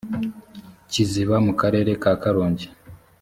kiziba mu karere ka karongi